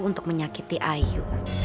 untuk menyakiti ayu